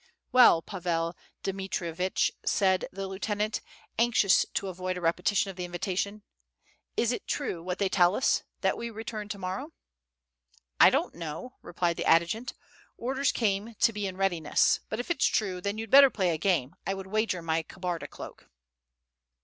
"Well, Pavel Dmitrievitch," said the lieutenant, anxious to avoid a repetition of the invitation, "is it true, what they tell us, that we return to morrow?" "I don't know," replied the adjutant. "Orders came to be in readiness; but if it's true, then you'd better play a game. I would wager my Kabarda cloak."